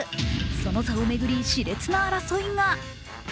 その座を巡り、しれつな争いが。